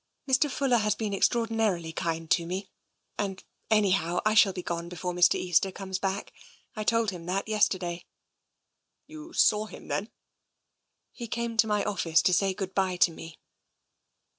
" Mr. Fuller has been extraordinarily kind to me. And, anyhow, I shall be gone before Mr. Easter comes back. I told him that yesterday." You saw him, then ?" He came to my office to say good bye to me."